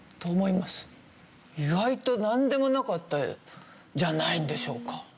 意外となんでもなかったんじゃないんでしょうか。